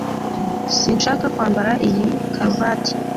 Sinshaka kwambara iyi karuvati